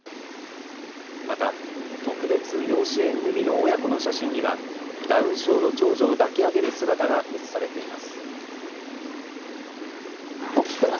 また特別養子縁組の親子の写真にはダウン症の長女を抱き上げる姿が写されています。